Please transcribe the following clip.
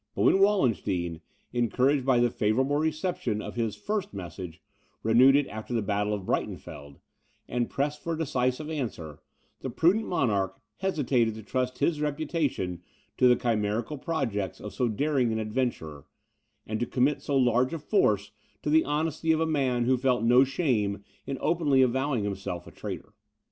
But when Wallenstein, encouraged by the favourable reception of his first message, renewed it after the battle of Breitenfeld, and pressed for a decisive answer, the prudent monarch hesitated to trust his reputation to the chimerical projects of so daring an adventurer, and to commit so large a force to the honesty of a man who felt no shame in openly avowing himself a traitor.